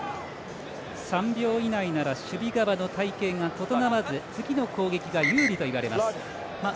３秒以内なら守備側の隊形が整わず次の攻撃が有利といわれます。